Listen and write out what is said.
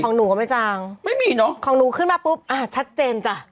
ของหนูก็ไม่จางของหนูขึ้นมาปุ๊บชัดเจนจ้ะ